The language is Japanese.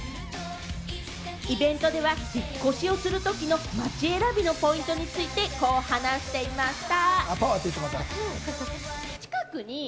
イベントでは引っ越しをするときの街選びのポイントについて、こう話していました。